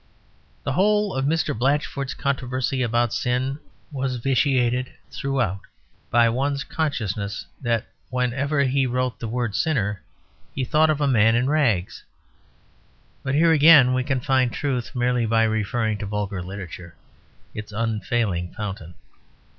The whole of Mr. Blatchford's controversy about sin was vitiated throughout by one's consciousness that whenever he wrote the word "sinner" he thought of a man in rags. But here, again, we can find truth merely by referring to vulgar literature its unfailing fountain.